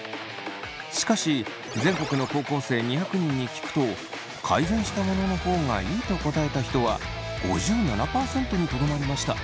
しかし全国の高校生２００人に聞くと改善したものの方がいいと答えた人は５７％にとどまりました。